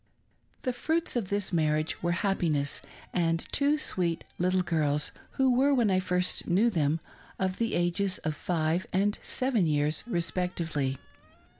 The fruits of this marriage were happiness and two sweet little girls, who were, when I first knew them, of the ages of five and seven years respectively.